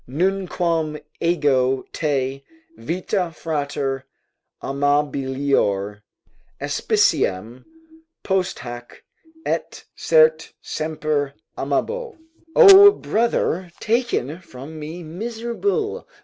Nunquam ego te, vita frater amabilior Aspiciam posthac; at certe semper amabo;" ["O brother, taken from me miserable!